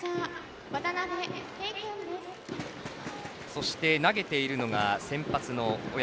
そして、投げているのが先発の小宅。